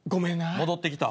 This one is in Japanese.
戻ってきた。